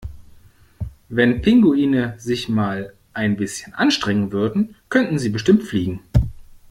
Wenn Pinguine sich mal ein bisschen anstrengen würden, könnten sie bestimmt fliegen!